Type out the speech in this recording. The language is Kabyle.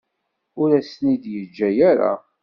Ur as-ten-id-yeǧǧa ara.